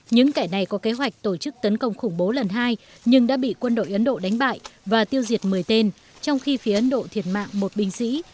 những kẻ này có kế hoạch tổ chức tấn công khủng bố lần hai nhưng đã bị quân đội ấn độ đánh bại và tiêu diệt một mươi tên trong khi phía ấn độ thiệt mạng một binh sĩ